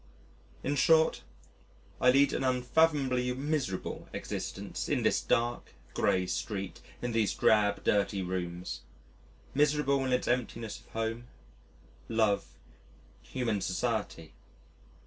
In short, I lead an unfathomably miserable existence in this dark, gray street, in these drab, dirty rooms miserable in its emptiness of home, love, human society.